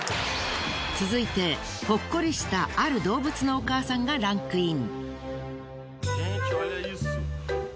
続いてほっこりしたある動物のお母さんがランクイン。